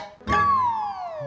kok kan bentar lagi sop kambing